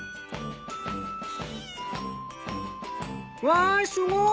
わぁすごい！